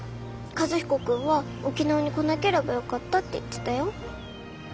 和彦君は沖縄に来なければよかったって言ってたよ。